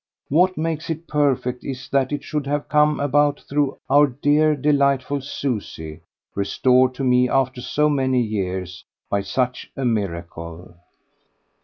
What makes it perfect is that it should have come about through our dear delightful Susie, restored to me, after so many years, by such a miracle.